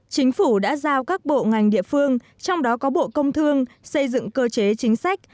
chính phủ đã giao các bộ ngành địa phương trong đó có bộ công thương xây dựng cơ chế chính sách